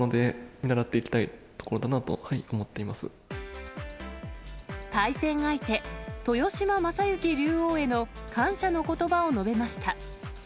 見習っていきたいところだなと思対戦相手、豊島将之竜王への感謝のことばを述べました。